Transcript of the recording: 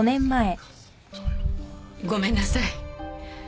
ごめんなさい